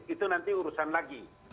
itu nanti urusan lagi